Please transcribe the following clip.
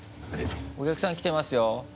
お客さん来てますよ。